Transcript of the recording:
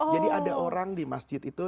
jadi ada orang di masjid itu